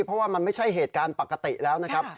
เพราะว่ามันไม่ใช่เหตุการณ์ปกติแล้วนะครับ